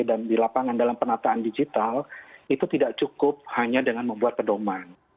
dan di lapangan dalam penataan digital itu tidak cukup hanya dengan membuat pedoman